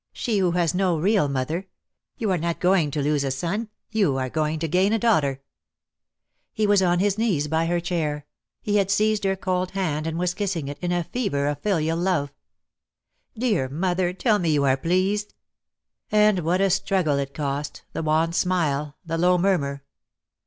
She who has no real mother. You are not going to lose a son. You are going to gain a daughter." DEAD LOVE HAS CHAINS. t87 He was on his knees by her chair; he had seized her cold hand and was kissing it, in a fever of fiUal love. "Dear mother, tell me you are pleased." Ah, what a struggle it cost, the wan smile, the low murmur.